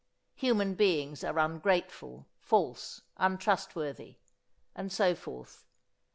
"Human beings are ungrateful, false, untrustworthy," and so forth.